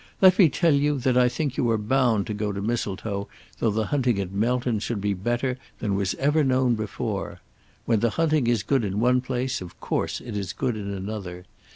Let me tell you that I think you are bound to go to Mistletoe though the hunting at Melton should be better than was ever known before. When the hunting is good in one place of course it is good in another.